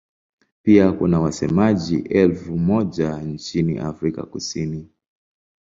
Pia kuna wasemaji elfu moja nchini Afrika Kusini.